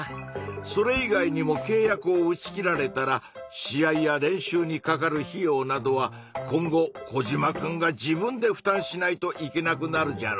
それ以外にもけい約を打ち切られたら試合や練習にかかる費用などは今後コジマくんが自分でふたんしないといけなくなるじゃろうなぁ。